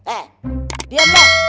eh diam dong